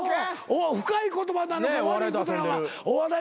深い言葉なのか悪いことなのか